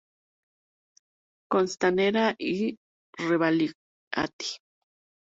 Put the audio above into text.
Costanera y Rebagliati.